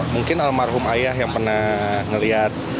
mungkin almarhum ayah yang pernah melihat